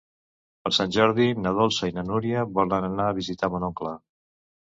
Per Sant Jordi na Dolça i na Núria volen anar a visitar mon oncle.